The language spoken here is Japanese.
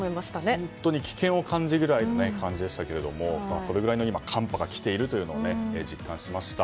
本当に危険を感じるぐらいでしたけどそれぐらいの寒波が来ていると実感しました。